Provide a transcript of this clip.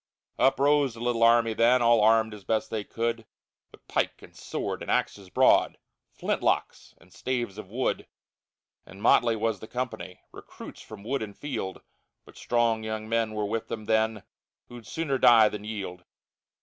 Up rose the little army then, All armed as best they could, With pike and sword and axes broad, Flint locks and staves of wood. And motley was the company, Recruits from wood and field, But strong young men were with them then, Who'd sooner die than yield.